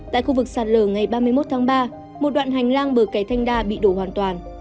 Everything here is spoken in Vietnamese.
tại khu vực sạt lở ngày ba mươi một tháng ba một đoạn hành lang bờ kẻ thanh đa bị đổ hoàn toàn